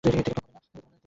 ঠিক, এর থেকে কমে হবে না।